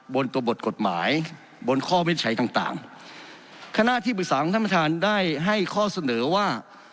บนตัวบทกฎหมายบนข้อวินิจฉัยต่างต่างคณะที่ปรึกษาของท่านประธานได้ให้ข้อเสนอว่า